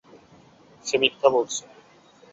সে মিথ্যা বলছে!